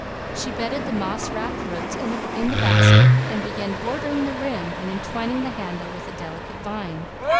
She bedded the moss wrapped roots in the basket and began bordering the rim and entwining the handle with a delicate vine.